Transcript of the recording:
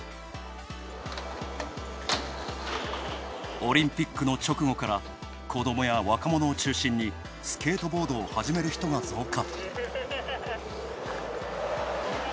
オリンピックの直後から子どもや若者を中心にスケートボードを始める人が増加。